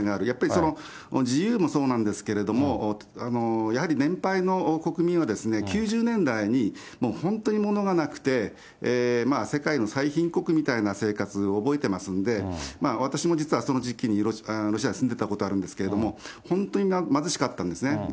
やっぱり自由もそうなんですけれども、やはり年配の国民は、９０年代にもう本当に物がなくて、世界の最貧国みたいな生活、覚えてますんで、私も実はその時期にロシアに住んでたことあるんですけれども、本当に貧しかったんですね。